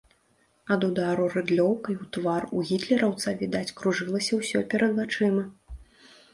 Ад удару рыдлёўкай у твар у гітлераўца, відаць, кружылася ўсё перад вачыма.